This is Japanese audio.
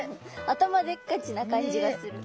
頭でっかちな感じがする。